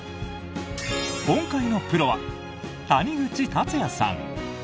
今回のプロは、谷口達也さん。